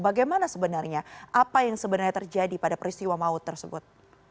bagaimana sebenarnya apa yang sebenarnya terjadi pada peristiwa maut tersebut